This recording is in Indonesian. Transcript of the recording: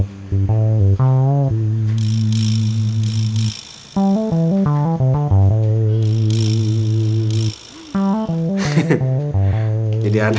ya kita interactionsnya lah